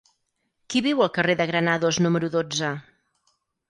Qui viu al carrer de Granados número dotze?